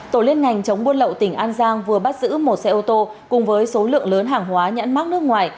tổ liên ngành chống buôn lậu tỉnh an giang vừa bắt giữ một xe ô tô cùng với số lượng lớn hàng hóa nhãn mắc nước ngoài